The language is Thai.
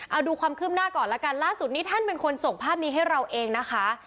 เอาดูความคืบหน้าก่อนแล้วกันล่าสุดนี้ท่านเป็นคนส่งภาพนี้ให้เราเองนะคะ